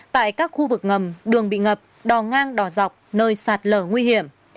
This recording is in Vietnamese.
tại các khu vực ngầm đường bị ngập đò ngang đỏ dọc nơi sạt lở nguy hiểm